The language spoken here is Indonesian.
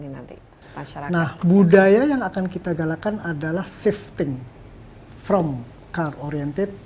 nah budaya yang akan kita galakan adalah shifting from car oriented